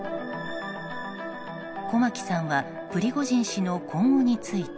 駒木さんはプリゴジン氏の今後について。